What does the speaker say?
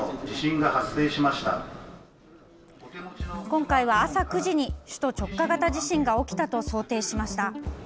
今回は、朝９時に首都直下型地震が起きたと想定しました。